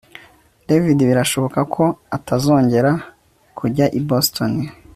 David birashoboka ko atazongera kujya i Boston